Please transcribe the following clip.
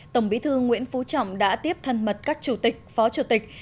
tổng bí thư nguyễn phú trọng đã tiếp thân mật các chủ tịch phó chủ tịch